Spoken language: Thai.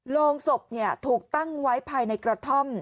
โรงศพถูกตั้งไว้ภายในกระท่อม